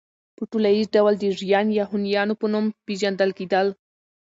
په ټوليز ډول د ژيان يا هونيانو په نوم پېژندل کېدل